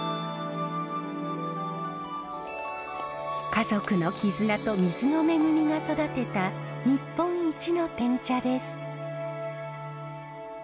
家族の絆と水の恵みが育てた日本一のてん茶です。